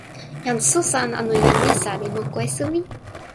jan Susan anu jan Lisa li moku e suwi?